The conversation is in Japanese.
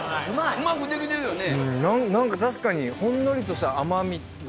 うまくできてるよね？